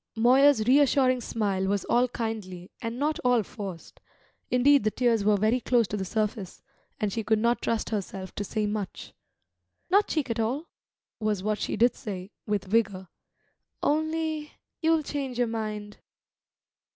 Moya's reassuring smile was all kindly, and not all forced; indeed, the tears were very close to the surface, and she could not trust herself to say much. "Not cheek at all," was what she did say, with vigour. "Only you'll change your mind."